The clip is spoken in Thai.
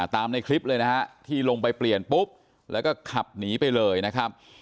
ในคลิปเลยนะฮะที่ลงไปเปลี่ยนปุ๊บแล้วก็ขับหนีไปเลยนะครับ